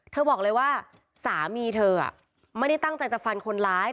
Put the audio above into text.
บอกเลยว่าสามีเธอไม่ได้ตั้งใจจะฟันคนร้าย